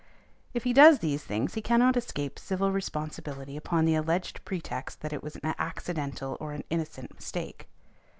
If he does these things he cannot escape civil responsibility upon the alleged pretext that it was an accidental or an innocent mistake.